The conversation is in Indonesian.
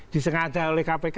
disengaja oleh kpk